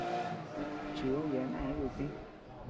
Chidan yeabeanu eanuu yudtiñ.